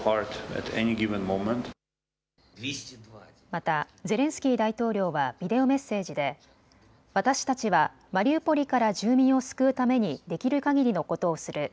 またゼレンスキー大統領はビデオメッセージで私たちはマリウポリから住民を救うためにできるかぎりのことをする。